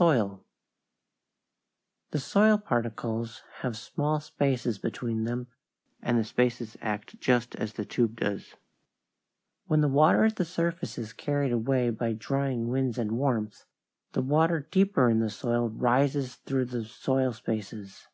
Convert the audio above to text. [Illustration: FIG. 6. THE RIGHT WAY TO PLOW] The soil particles have small spaces between them, and the spaces act just as the tube does. When the water at the surface is carried away by drying winds and warmth, the water deeper in the soil rises through the soil spaces.